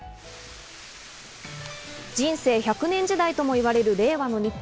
人生１００年時代ともいわれる令和の日本。